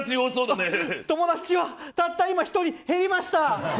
友達はたった今１人減りました。